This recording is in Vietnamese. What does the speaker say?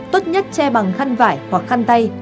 tốt nhất che bằng khăn vải hoặc khăn tay